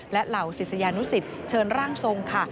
และเหล่าศิษยานุสิตเชิญร่างทรงค่ะ